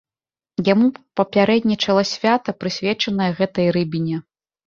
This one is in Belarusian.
Яму папярэднічала свята, прысвечанае гэтай рыбіне.